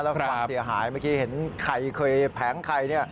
แล้วก็ความเสียหายเมื่อกี้เห็นไข่เคยแผงไข่เนี่ย